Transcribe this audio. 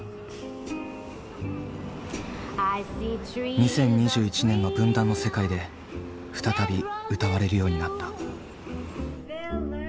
２０２１年の分断の世界で再び歌われるようになった。